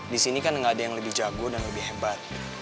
di sini kan nggak ada yang lebih jago dan lebih hebat